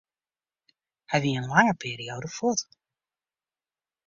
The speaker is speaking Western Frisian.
Hy wie in lange perioade fuort.